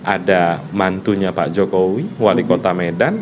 ada mantunya pak jokowi wali kota medan